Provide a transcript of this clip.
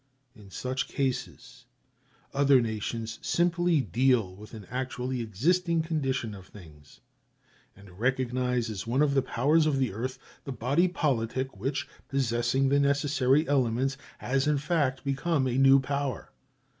In such cases other nations simply deal with an actually existing condition of things, and recognize as one of the powers of the earth that body politic which, possessing the necessary elements, has in fact become a new power.